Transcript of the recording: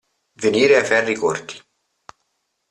Venire ai ferri corti.